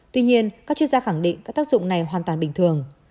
tuy nhiên các chuyên gia khẳng định các tác dụng này hoàn toàn bình thường